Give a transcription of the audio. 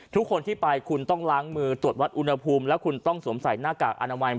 ทุกคนที่ไปคุณต้องล้างมือตรวจวัดอุณหภูมิแล้วคุณต้องสวมใส่หน้ากากอนามัย